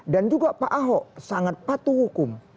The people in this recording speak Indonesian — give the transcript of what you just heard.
dan juga pak ahok sangat patuh hukum